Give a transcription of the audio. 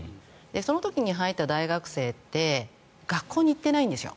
その時に入った大学生って学校に行ってないんですよ。